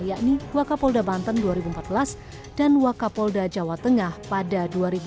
yakni wak kapolda banten dua ribu empat belas dan wak kapolda jawa tengah pada dua ribu enam belas